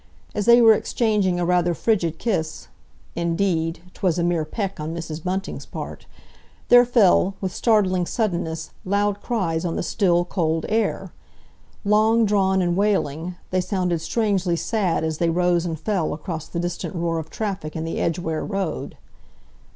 As they were exchanging a rather frigid kiss, indeed, 'twas a mere peck on Mrs. Bunting's part, there fell, with startling suddenness, loud cries on the still, cold air. Long drawn and wailing, they sounded strangely sad as they rose and fell across the distant roar of traffic in the Edgware Road.